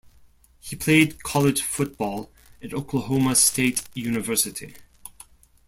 He played college football at Oklahoma State University.